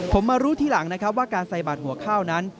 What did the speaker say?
ผมมารู้ทีหลังนะครับว่าการใส่บาดหัวข้าวนั้น